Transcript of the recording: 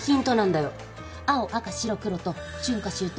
青赤白黒と春夏秋冬